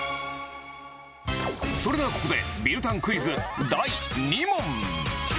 それではここでビル探クイズ、第２問。